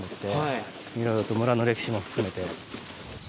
いろいろと村の歴史も含めて。